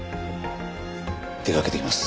出かけてきます。